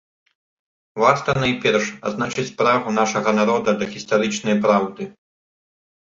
Варта, найперш, адзначыць прагу нашага народа да гістарычнай праўды.